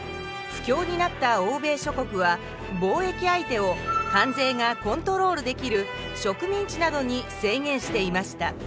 不況になった欧米諸国は貿易相手を関税がコントロールできる植民地などに制限していました。